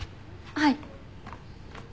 はい。